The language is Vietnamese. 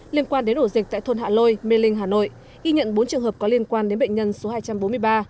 liên quan đến ổ dịch tại thôn hạ lôi mê linh hà nội ghi nhận bốn trường hợp có liên quan đến bệnh nhân số hai trăm bốn mươi ba